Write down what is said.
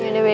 ya udah be